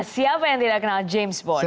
siapa yang tidak kenal james bond